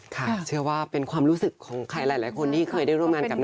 ค่ะเชื่อว่าเป็นความรู้สึกของหลายคนที่เคยได้ทำงานกับนักคล่อม